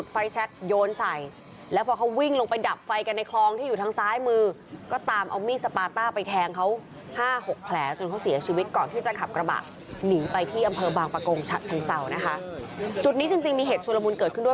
ประโกงชั้นเสาร์นะคะจุดนี้จริงมีเหตุชุลมูลเกิดขึ้นด้วย